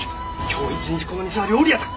今日一日この店は料理屋だ。